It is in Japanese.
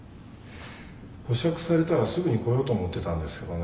保釈されたらすぐに来ようと思ってたんですけどね